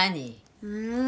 うん？